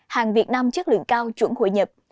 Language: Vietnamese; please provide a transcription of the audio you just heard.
hàng việt nam chất lượng cao chuẩn hội nhập